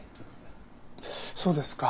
そうですか。